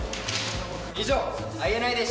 以上ＩＮＩでした。